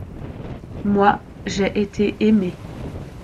Moi, j’ai été aimé.